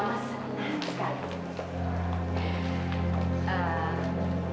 mama senang sekali